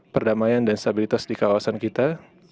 perdamaian dan stabilitas di kawasan kita